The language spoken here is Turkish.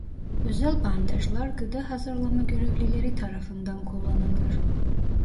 Özel bandajlar gıda hazırlama görevlileri tarafından kullanılır.